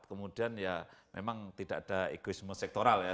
kemudian ya memang tidak ada egoisme sektoral ya